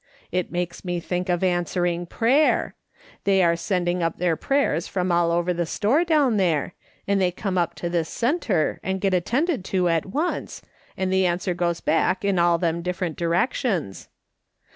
It makes me think of answering prayer. They are sending up their prayers from all over the store down there, and they come up to this centre and get attended to at once, and the answer goes back in all them dif ferent directions.'